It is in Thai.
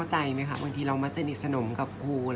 อันไหนที่มันไม่จริงแล้วอาจารย์อยากพูด